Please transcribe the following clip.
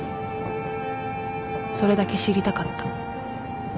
それだけ知りたかった